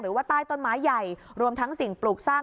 ว่าใต้ต้นไม้ใหญ่รวมทั้งสิ่งปลูกสร้าง